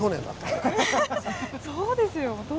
そうですよ！